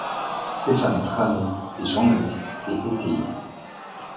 Stéphane Trano est journaliste et essayiste.